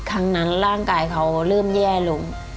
ครั้งนั้นร่างกายเขาเริ่มแย่ลง